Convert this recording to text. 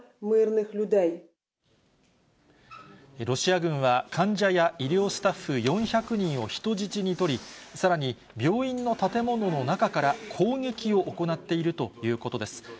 ロシア軍は患者や医療スタッフ４００人を人質に取り、さらに病院の建物の中から攻撃を行っているということです。